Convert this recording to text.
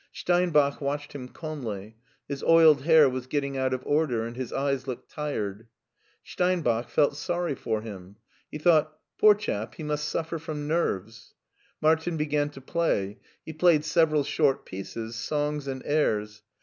Steinbach watched him calmly. His oiled hair was getting out of order and his eyes looked tired. Steinbach felt sorry for him. He thought, " Poor chap, he must suffer from nerves." Martin began to play. He played several short pieces, songs and airs.